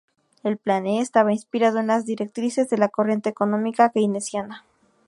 El Plan E estaba inspirado en las directrices de la corriente económica keynesiana.